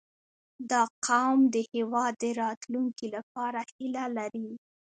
• دا قوم د هېواد د راتلونکي لپاره هیله لري.